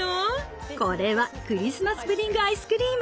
これはクリスマスプディング・アイスクリーム。